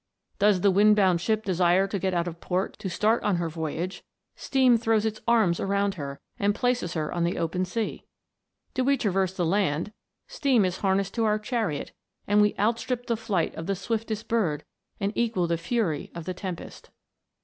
Does the wind bound ship desire to get out of port to start on her voyage, steam throws its arms around her, and places her on the open sea ! Do we traverse the THE WONDERFUL LAMP. 311 land, steam is harnessed to our chariot, and we outstrip the flight of the swiftest bird, and equal the fury of the tempest